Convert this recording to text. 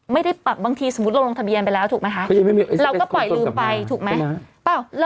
ไม่ได้ปักบางทีสมมุติลงทะเบียนไปแล้วถูกมั้ยคะเราก็ปล่อยลืมไปถูกมั้ย